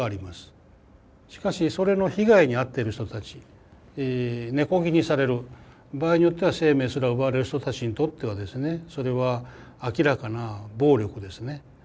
しかしそれの被害に遭ってる人たち根こぎにされる場合によっては生命すら奪われる人たちにとってはですねそれは明らかな暴力ですね。